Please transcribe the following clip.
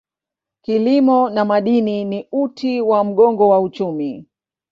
Kilimo na madini ni uti wa mgongo wa uchumi.